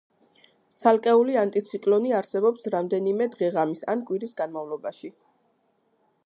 ცალკეული ანტიციკლონი არსებობს რამდენიმე დღე-ღამის ან კვირის განმავლობაში.